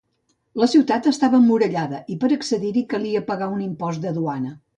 La ciutat estava emmurallada i per accedir-hi calia pagar un impost de duana.